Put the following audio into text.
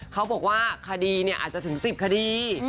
เค้าบอกว่าคดีเนี่ยอาจจะถึง๑๐คดี